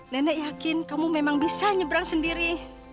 nenek yakin kamu memang bisa nyebrang sendiri